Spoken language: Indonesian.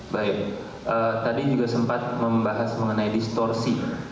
baik tadi juga sempat membahas mengenai distorsi